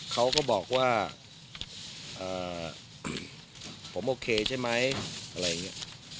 เขาก็บอกว่าผมโอเคใช่ไหมอะไรอย่างนี้